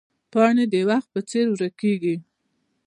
پاڼې د وخت په څېر ورکېږي